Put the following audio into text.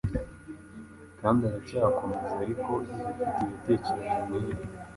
Kandi aracyakomeza, ariko ifite ibitekerezo nkibi